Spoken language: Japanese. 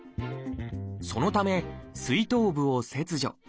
そのためすい頭部を切除。